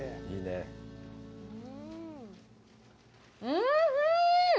おいしい！